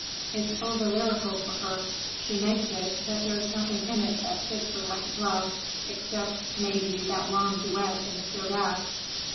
It's over lyrical for her. She makes it, but there's nothing in it that fits her like a glove, except, maybe, that long duet in the third act.